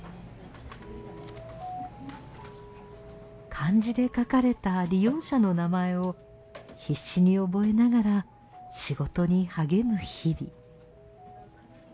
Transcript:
漢字で書かれた利用者の名前を必死に覚えながら仕事に励む日々。